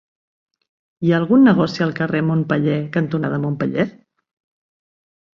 Hi ha algun negoci al carrer Montpeller cantonada Montpeller?